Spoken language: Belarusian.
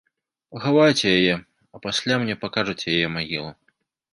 Пахавайце яе, а пасля мне пакажаце яе магілу.